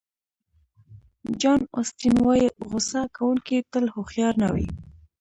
جان اوسټین وایي غوصه کوونکي تل هوښیار نه وي.